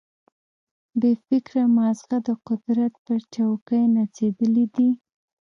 بې فکره ماغزه د قدرت پر چوکۍ نڅېدلي دي.